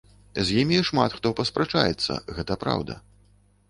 З імі шмат хто паспрачаецца, гэта праўда.